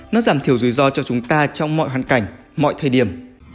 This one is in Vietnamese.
nó giảm thiểu rủi ro cho chúng ta trong mọi hoàn cảnh mọi thời điểm